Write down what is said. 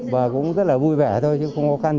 và cũng rất là vui vẻ thôi chứ không có căn gì